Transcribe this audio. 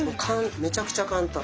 めちゃくちゃ簡単。